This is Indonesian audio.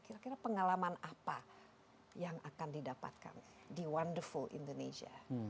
kira kira pengalaman apa yang akan didapatkan di wonderful indonesia